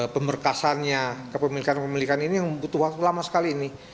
pemberkasannya kepemilikan pemilikan ini butuh waktu lama sekali ini